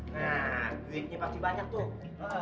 nah duitnya pasti banyak tuh